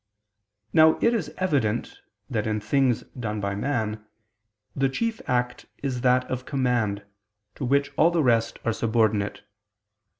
Now it is evident that in things done by man, the chief act is that of command, to which all the rest are subordinate.